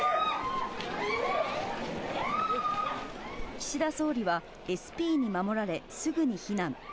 岸田総理はＳＰに守られ、すぐに避難。